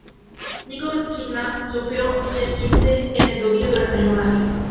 Nicole Kidman sufrió un esguince en el tobillo durante el rodaje.